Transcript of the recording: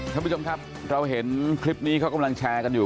ท่านผู้ชมครับเราเห็นคลิปนี้เขากำลังแชร์กันอยู่